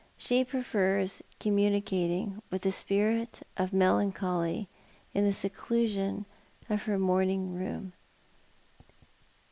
She prefers communing with the spirit of melody in the seclusion of her morning room.